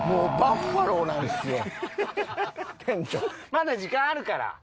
まだ時間あるから。